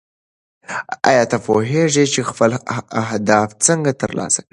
ایا ته پوهېږې چې خپل اهداف څنګه ترلاسه کړې؟